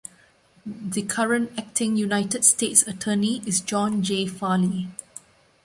The current Acting United States Attorney is John J. Farley.